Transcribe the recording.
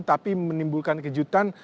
tapi menimbulkan kejutan